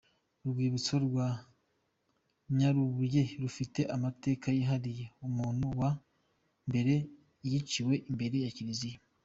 Urwibutso rwa Nyarubuye rufite amateka yihariye; Umuntu wa mbere yiciwe imbere ya Kiliziya:.